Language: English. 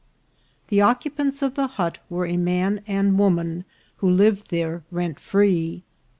The occupants of the hut were a man and woman, who lived there rent free.